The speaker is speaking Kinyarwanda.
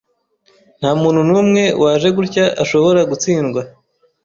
Ntamuntu numwe waje gutya ashobora gutsindwa